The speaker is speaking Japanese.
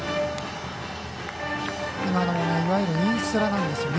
今のもいわゆるインスラなんです。